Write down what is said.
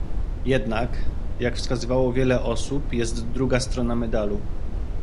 Jednak, jak wskazywało wiele osób, jest druga strona medalu